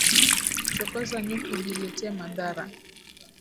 Chokoza nyuki ujiletee madhara